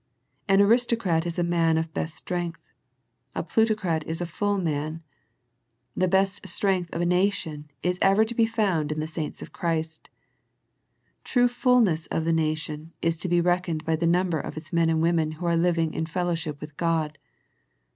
An aristocrat is a man of best strength . A plutocrat is a^juLlman. The best strength of the nation is ever to be found in the saints of Christ. The true fulness of the na tion is to be reckoned by the number of its men and women who are living in fellowship with God.